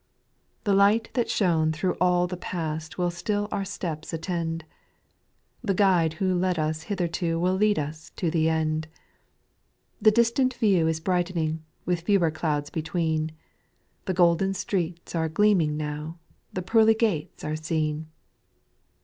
6. The Light that shone thro' all the past will still our steps attend ; The Guide who led us hitherto will lead ua to the end ; The distant view is brightening, with f§wei clouds between ; The golden streets are gleaming now, the pearly gates are seen.